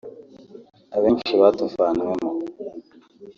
Abenshi batuvanywemo